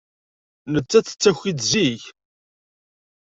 Nettat tettaki-d zik.